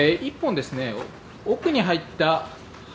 １本、奥に入った。